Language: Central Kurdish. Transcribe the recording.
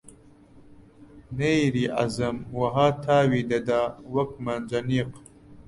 نەییری ئەعزەم وەها تاوی دەدا وەک مەنجەنیق